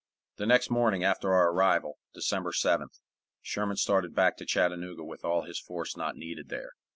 The next morning after our arrival, December 7th, Sherman started back to Chattanooga with all his force not needed there.